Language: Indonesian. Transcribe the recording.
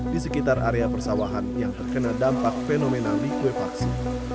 di sekitar area persawahan yang terkena dampak fenomena liquefaksi